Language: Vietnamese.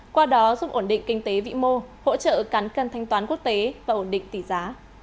qua đó giúp ổn định kinh tế vĩ mô hỗ trợ cán cân thanh toán quốc tế và ổn định tỷ giá